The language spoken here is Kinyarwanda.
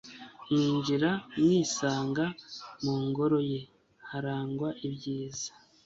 mwinjira mwisanga, mu ngoro ye harangwa ibyiza